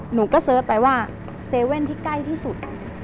หนูก็เสิร์ฟไปว่า๗๑๑ที่ใกล้ที่สุด